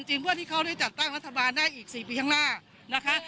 เพื่อที่เขาได้จัดตั้งรัฐบาลได้อีก๔ปีข้างหน้านะคะ